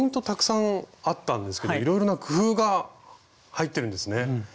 たくさんあったんですけどいろいろな工夫が入ってるんですね。